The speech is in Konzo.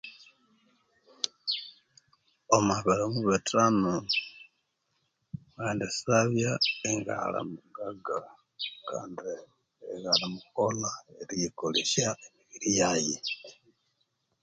Omwa birimo bithano ngendisabya ingali mugaga kandi ingane mukolha eriyikolesya emibiri yaghe.